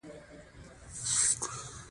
ستا په جېب کې څو روپۍ دي؟